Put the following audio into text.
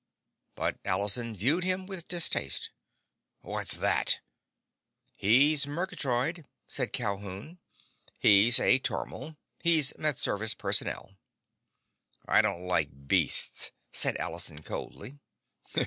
but Allison viewed him with distaste. "What's this?" "He's Murgatroyd," said Calhoun. "He's a tormal. He's Med service personnel." "I don't like beasts," said Allison coldly.